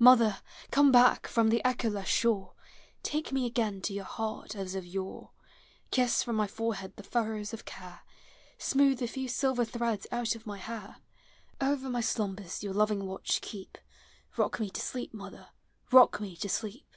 Mother, come back from the echoless shore, Take me again to your heart as of yore; Kiss from my forehead the furrows of care. Smooth the few silver threads out of my hair; Over my slumbers your loving watch keep; — Rock me to sleep, mother, rock me to sleep!